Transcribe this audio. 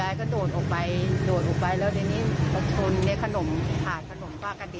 ยายก็โดดออกไป